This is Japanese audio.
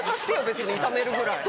別に炒めるぐらい。